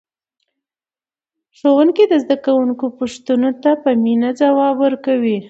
ښوونکی د زده کوونکو پوښتنو ته په مینه ځواب ورکوي